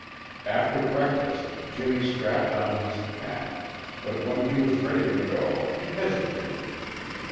After breakfast Jimmy strapped on his pack, but when he was ready to go he hesitated.